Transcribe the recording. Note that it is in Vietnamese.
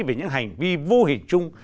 về những hành vi vô hình chung